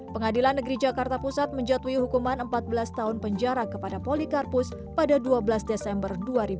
pengadilan negeri jakarta pusat menjatuhi hukuman empat belas tahun penjara kepada polikarpus pada dua belas desember dua ribu dua puluh